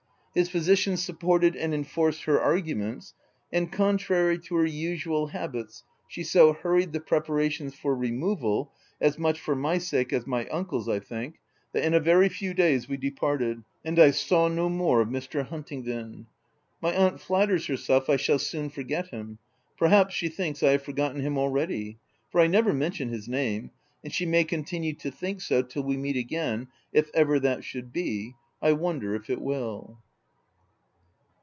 His physician supported and enforced her arguments ; and contrary to her usual habits, she so hurried the preparations for removal (as much for my sake as my uncle's, I think,) that in a very few days we departed ; and I saw no more of Mr. Huntingdon. My aunt flatters herself I shall soon forget him — perhaps, she thinks I have forgotten him, already, for I never mention his name ; and she may continue to think so, till we meet again, — if ever that should be. I wonder if it will.